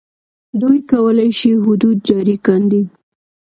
دوی کولای شي حدود جاري کاندي.